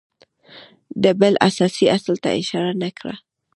ده بل اساسي اصل ته اشاره نه کړه